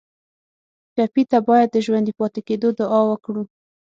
ټپي ته باید د ژوندي پاتې کېدو دعا وکړو.